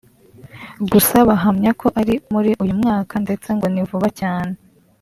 gusa bahamya ko ari muri uyu mwaka ndetse ngo ni vuba cyane